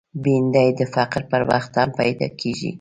بېنډۍ د فقر پر وخت هم پیدا کېږي